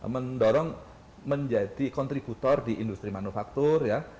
mendorong menjadi kontributor di industri manufaktur ya